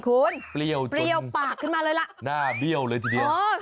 สุดยอดสุดยอด